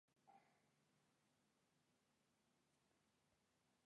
Esperientzia egiaztatzeko ezinbestekoa da zerbitzuak ematearen agiria aurkeztea.